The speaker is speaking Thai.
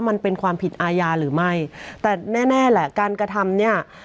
มันเป็นความผิดอาญาหรือไม่แต่แน่แน่แหละการกระทำเนี่ย